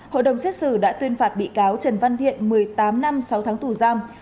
hội đồng xét xử đã tuyên phạt bị cáo trần văn thiện một mươi tám năm sáu tháng tù giam